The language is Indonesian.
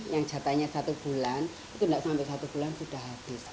yang jatahnya satu bulan itu tidak sampai satu bulan sudah habis